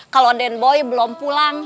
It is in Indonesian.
kalau den boy belum pulang